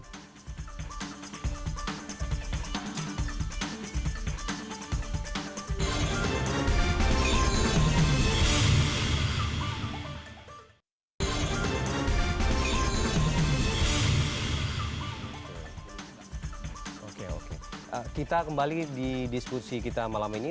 oke oke kita kembali di diskusi kita malam ini